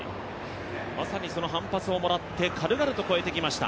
まさにその反発をもらって、軽々と超えてきました。